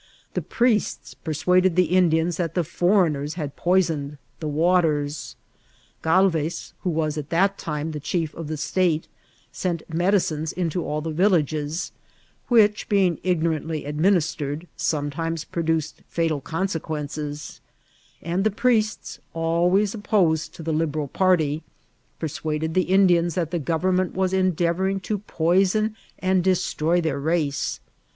The priests persuaded the Indians that the foreigners had poisoned the waters. (3alvez, who was at that time the ^ief of the state, sent medicines into all the villages, which, being ignorantly administered, sometimes pro duced ftital consequences ; and the priests, alvmys oppo sed to the Liberal party, persuaded the Indians that the government vras endeavtyming to poison and destroy their race.